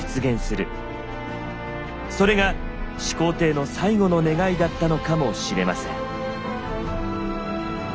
それが始皇帝の最後の願いだったのかもしれません。